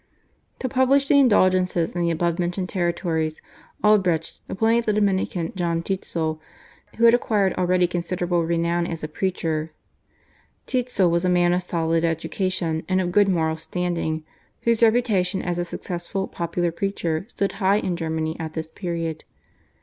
To publish the Indulgence in the above mentioned territories Albrecht appointed the Dominican John Tetzel, who had acquired already considerable renown as a preacher. Tetzel was a man of solid education and of good moral standing, whose reputation as a successful popular preacher stood high in Germany at this period.